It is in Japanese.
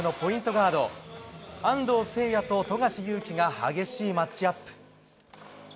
ガード安藤誓哉と富樫勇樹が激しいマッチアップ。